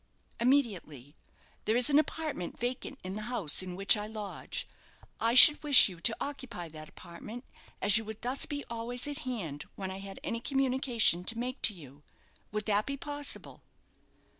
"Immediately. There is an apartment vacant in the house in which I lodge. I should wish you to occupy that apartment, as you would thus be always at hand when I had any communication to make to you. Would that be possible?"